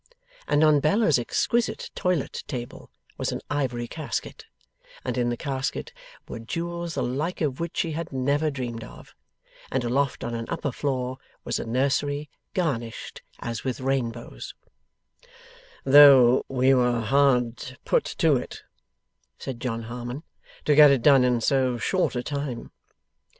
And on Bella's exquisite toilette table was an ivory casket, and in the casket were jewels the like of which she had never dreamed of, and aloft on an upper floor was a nursery garnished as with rainbows; 'though we were hard put to it,' said John Harmon, 'to get it done in so short a time.